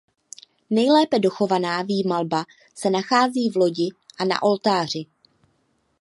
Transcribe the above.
Nejlépe dochovaná výmalba se nachází v lodi a na oltáři.